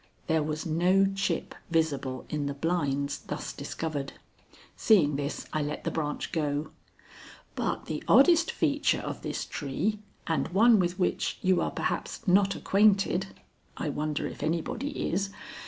There was no chip visible in the blinds thus discovered. Seeing this, I let the branch go. "But the oddest feature of this tree and one with which you are perhaps not acquainted" (I wonder if anybody is?)